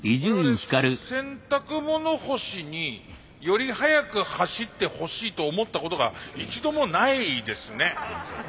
我々洗濯物干しにより速く走ってほしいと思ったことが一度もないですね。